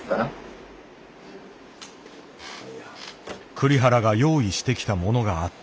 栗原が用意してきたものがあった。